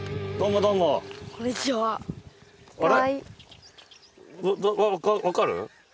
あれ？